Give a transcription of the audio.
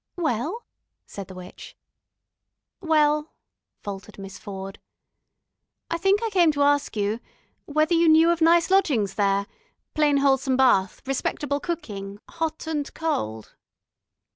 "Well?" said the witch. "Well," faltered Miss Ford. "I think I came to ask you ... whether you knew of nice lodgings there ... plain wholesome bath ... respectable cooking, hot and cold